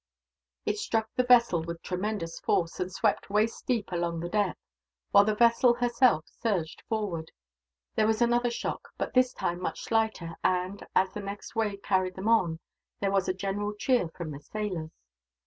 It struck the vessel with tremendous force, and swept waist deep along the deck; while the vessel, herself, surged forward. There was another shock, but this time much slighter and, as the next wave carried them on, there was a general cheer from the sailors.